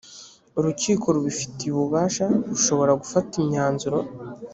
urukiko rubifitiye ububasha rushobora gufata imyanzuro